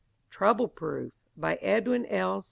TROUBLE PROOF BY EDWIN L.